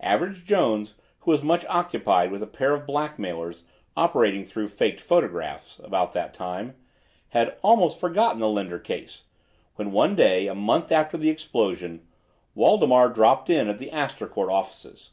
Average Jones, who was much occupied with a pair of blackmailers operating through faked photographs, about that time, had almost forgotten the Linder case, when, one day, a month after the explosion, Waldemar dropped in at the Astor Court offices.